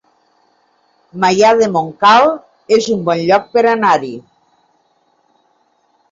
Maià de Montcal es un bon lloc per anar-hi